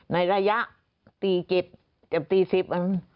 ในระยะตี๗จนตี๑๐น